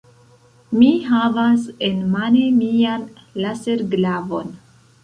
Mi havas enmane mian laserglavon.